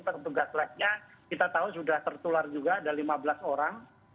tentu gaslightnya kita tahu sudah tertular juga ada lima belas